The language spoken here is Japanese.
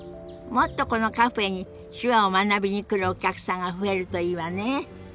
もっとこのカフェに手話を学びに来るお客さんが増えるといいわね。